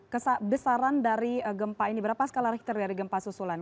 kebesaran dari gempa ini berapa skala richter dari gempa susulan